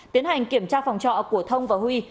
tiến hành kiểm tra phòng trọ của thông và huy